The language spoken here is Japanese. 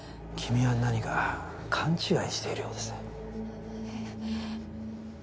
君は何か勘違いしているようですね。